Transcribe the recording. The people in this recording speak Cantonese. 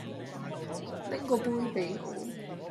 拎個杯畀我